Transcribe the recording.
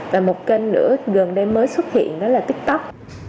và một kênh nữa gần đây mới xuất hiện đó là tiktok